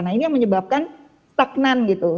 nah ini yang menyebabkan stagnan gitu